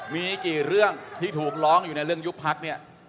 มีกี่เรื่องที่ถูกร้องอยู่ในเรื่องยุบพักเนี่ย